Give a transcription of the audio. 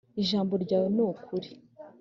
Ijambo ryawe ni ukuri